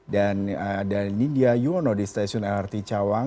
dan ada nidia yuwono di stasiun lrt cawang